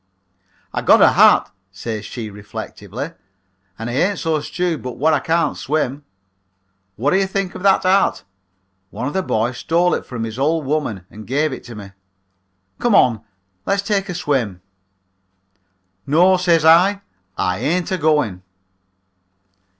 "'I got a hat,' says she reflectively, 'and I ain't so stewed but wot I can't swim. Wot do you think of that hat? One of the boys stole it from his old woman and gave it to me. Come on, let's take a swim.' "'No,' says I, 'I ain't agoing.'